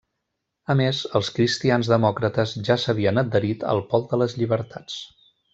A més, els Cristians Demòcrates ja s'havien adherit al Pol de les Llibertats.